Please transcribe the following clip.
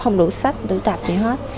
không đủ bút không đủ sách đủ tập gì hết